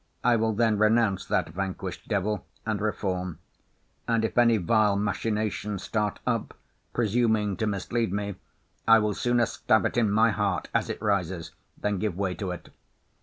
I will then renounce that vanquished devil, and reform. And if any vile machination start up, presuming to mislead me, I will sooner stab it in my heart, as it rises, than give way to it.